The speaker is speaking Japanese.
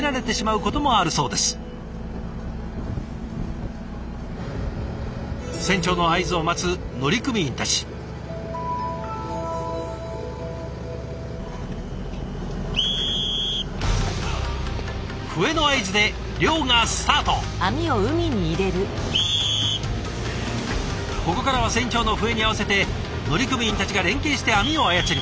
ここからは船長の笛に合わせて乗組員たちが連携して網を操ります。